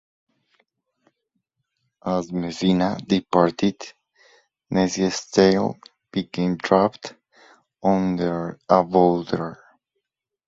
As Messina departed, Nessie's tail became trapped under a boulder.